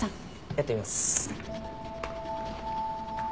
やってみます。